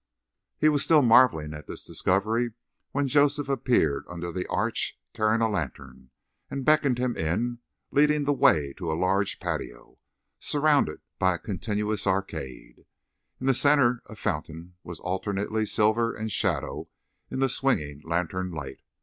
He was still marveling at this discovery when Joseph appeared under the arch carrying a lantern and beckoned him in, leading the way to a large patio, surrounded by a continuous arcade. In the center a fountain was alternately silver and shadow in the swinging lantern light.